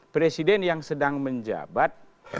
presiden yang sedang menjabat